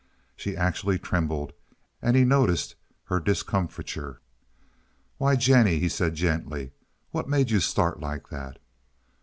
She actually trembled, and he noticed her discomfiture. "Why, Jennie," he said gently, "what made you start like that?"